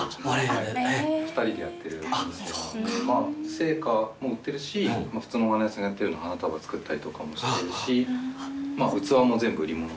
生花も売ってるし普通のお花屋さんがやってる花束作ったりとかもしてるし器も全部売り物。